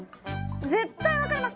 絶対分かります！